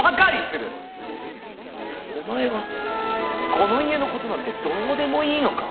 お前はこの家のことなんてどうでもいいのか？